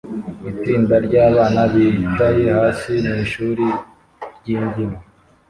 itsinda ryabana bicaye hasi mwishuri ryimbyino